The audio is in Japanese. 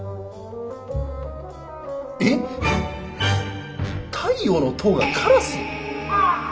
え⁉「太陽の塔」がカラス⁉